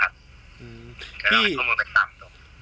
อืมพี่ข้อมูลไปตามตรงนั้น